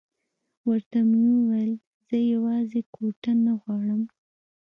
ورته مې وویل زه یوازې کوټه نه غواړم.